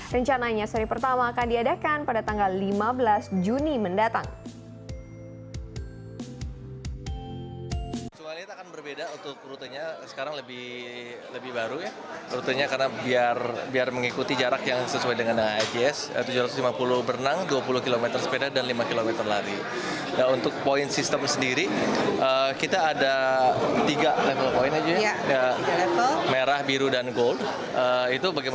rencananya seri pertama akan diadakan pada tanggal lima belas juni mendatang